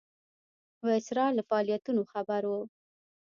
ویسرا له فعالیتونو خبر وو.